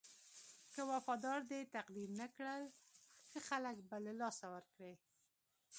که وفادار دې تقدير نه کړل ښه خلک به له لاسه ورکړې.